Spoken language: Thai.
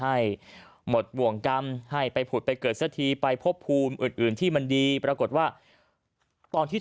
ให้หมดบ่วงกรรมให้ไปผุดไปเกิดสักทีไปพบภูมิอื่นที่มันดีปรากฏว่าตอนที่